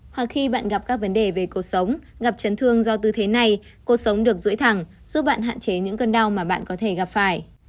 hoặc khi bạn gặp các vấn đề về cuộc sống gặp chấn thương do tư thế này cuộc sống được rưỡi thẳng giúp bạn hạn chế những cơn đau mà bạn có thể gặp phải